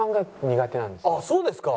あっそうですか。